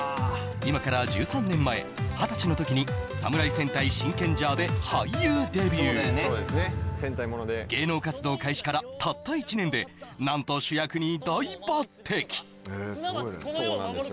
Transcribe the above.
今から１３年前二十歳の時に「侍戦隊シンケンジャー」で俳優デビュー芸能活動開始からたった１年で何と主役に大抜てきへえすごいねそうなんですよ